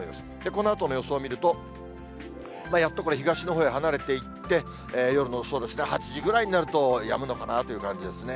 このあとの予想見るとやっとこれ東のほうへ離れていって、夜の８時ぐらいになると、やむのかなという感じですね。